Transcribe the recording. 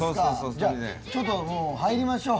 じゃあちょっともう入りましょう。